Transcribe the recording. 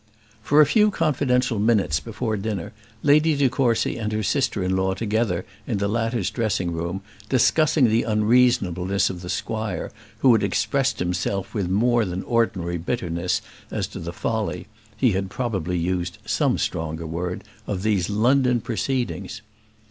For a few confidential minutes before dinner, Lady de Courcy and her sister in law sat together in the latter's dressing room, discussing the unreasonableness of the squire, who had expressed himself with more than ordinary bitterness as to the folly he had probably used some stronger word of these London proceedings.